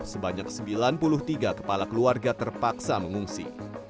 sebanyak sembilan puluh tiga kepala keluarga terpaksa mengungsi